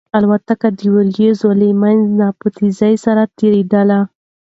الوتکه د وريځو له منځه په تېزۍ سره تېرېدله.